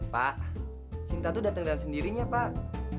pak cinta itu datang dengan sendirinya pak